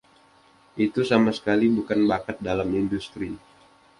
Itu sama sekali bukan bakat dalam industri.